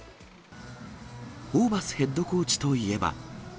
ホーバスヘッドコーチといえば。